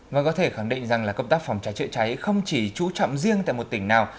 và có thể khẳng định rằng là công tác phòng cháy chữa cháy không chỉ trú trọng riêng tại một tỉnh nào